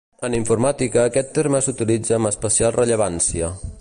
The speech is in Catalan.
En informàtica aquest terme s'utilitza amb especial rellevància.